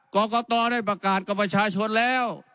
กรกตได้ประกาศกับประชาชนแล้ว